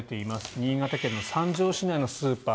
新潟県三条市内のスーパー。